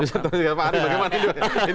bisa ditanyakan pak ari bagaimana itu